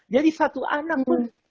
jadi satu anak pun